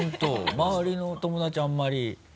周りの友達あんまり？